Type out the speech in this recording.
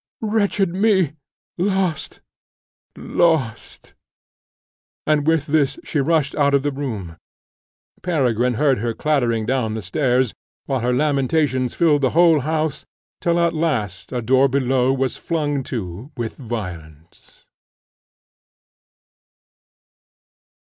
Wretched me! Lost! lost!" And with this she rushed out of the room. Peregrine heard her clattering down the stairs, while her lamentations filled the whole house, till at last a door below was flung to with violence.